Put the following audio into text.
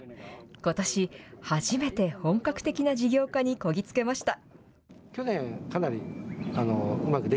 ことし、初めて本格的な事業化にこぎ着けました。